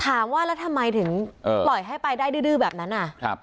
ถามว่าแล้วทำไมถึงปล่อยให้ไปได้ดื้อแบบนั้น